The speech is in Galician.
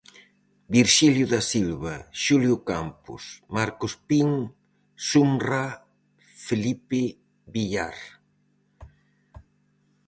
Virxilio da Silva, Xulio Campos, Marcos Pin, Sumrrá, Felipe Villar.